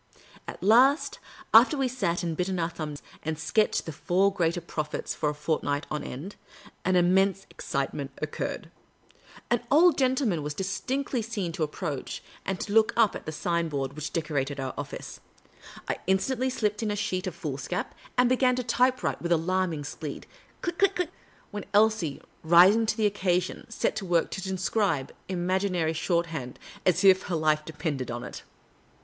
At last, after we had sat, and bitten our thumbs, and sketched the Four Greater Prophets for a fortnight on end, an innnense excitement occurred. An old gentleman was distinctly seen to approach and to look up at the sign board which decorated our office. I instantly slipped in a sheet of 156 Miss Cayley's Adventures foolscap, and began to typewrite with alarming speed — click, click, click ; while Elsie, rising to the occasion, set to work to transcribe, imaginarj' shorthand as if her life depended upon it.